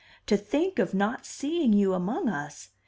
"To think of not seeing you among us!